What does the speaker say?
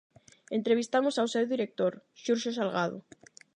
Entrevistamos ao seu director, Xurxo Salgado.